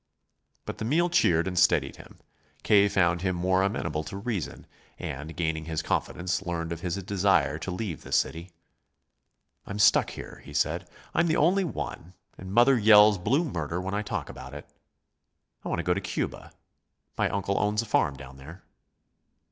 But the meal cheered and steadied him. K. found him more amenable to reason, and, gaining his confidence, learned of his desire to leave the city. "I'm stuck here," he said. "I'm the only one, and mother yells blue murder when I talk about it. I want to go to Cuba. My uncle owns a farm down there."